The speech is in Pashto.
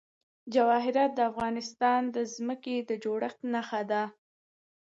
جواهرات د افغانستان د ځمکې د جوړښت نښه ده.